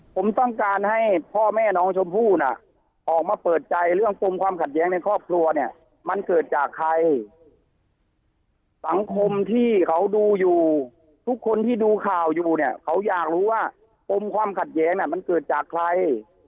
ผมต้องการให้พ่อแม่น้องชมพู่น่ะออกมาเปิดใจเรื่องความขัดแย้งในครอบครัวเนี่ยมันเกิดจากใคร